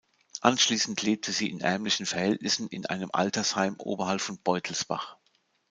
Anschließend lebte sie in ärmlichen Verhältnissen in einem Altersheim oberhalb von Beutelsbach.